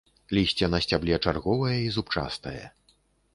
Лісце на сцябле чарговае і зубчастае.